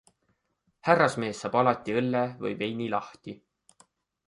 Härrasmees saab alati õlle või veini lahti.